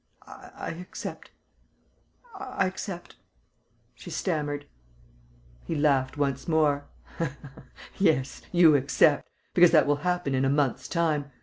"I accept.... I accept," she stammered. He laughed once more: "Yes, you accept, because that will happen in a month's time